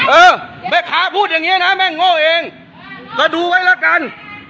เออแม่ค้าพูดอย่างเงี้ยนะแม่งโง่เองแต่ดูไว้ละกัน